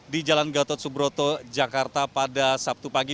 di jalan gatot subroto jakarta pada sabtu pagi